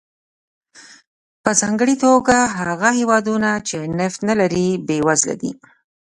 په ځانګړې توګه هغه هېوادونه چې نفت نه لري بېوزله دي.